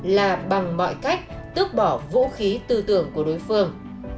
là bằng mọi cách tước bỏ vũ khí tư tưởng của đối phương